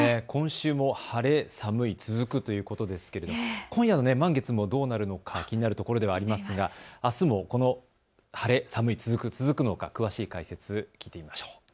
今週も晴れ、寒い、続くということですけれども今夜の満月もどうなるか気になるところでもありますがあすもこの晴れ、寒い、続くのか詳しい解説を聞きましょう。